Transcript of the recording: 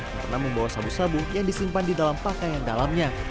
yang pernah membawa sabu sabu yang disimpan di dalam pakaian dalamnya